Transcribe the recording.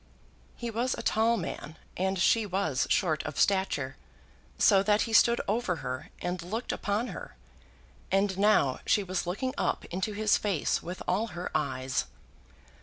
He was a tall man and she was short of stature, so that he stood over her and looked upon her, and now she was looking up into his face with all her eyes.